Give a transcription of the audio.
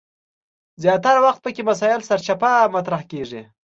زیاتره وخت پکې مسایل سرچپه مطرح کیږي.